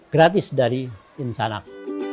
gratis dari insanak